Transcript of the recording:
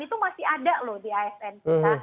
itu masih ada loh di asn kita